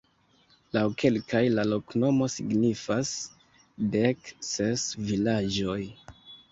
Laŭ kelkaj la loknomo signifas: dek ses vilaĝoj.